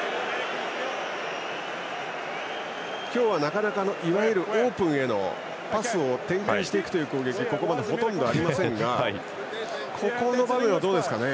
今日は、なかなかいわゆるオープンへのパスを展開していく攻撃がここまでほとんどありませんがここの場面はどうですかね。